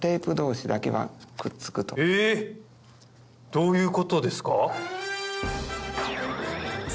どういうことですか？